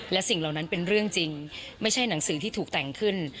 และสิ่งเหล่านั้นเป็นเรื่องจริงไม่ใช่หนังสือที่ถูกแต่งขึ้น